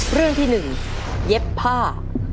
เรื่องที่๑เย็บผ้า